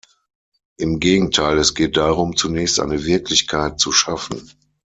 Im Gegenteil, es geht darum, zunächst eine Wirklichkeit zu schaffen.